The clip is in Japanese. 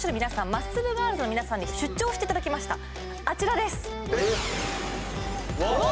マッスルガールズの皆さんに出張していただきましたあちらですうわ